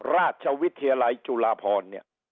ราชวิทยาลัยจุฬาพร